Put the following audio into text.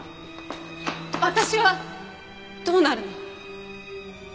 私はどうなるの？